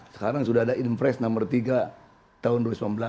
sekarang sudah ada impres nomor tiga tahun dua ribu sembilan belas